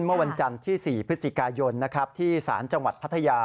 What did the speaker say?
เมื่อวันจันทร์ที่๔พฤศจิกายนที่ศาลจังหวัดพัทยา